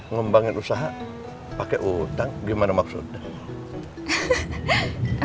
ngembangin usaha pakai utang gimana maksudnya